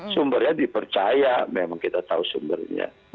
sumbernya dipercaya memang kita tahu sumbernya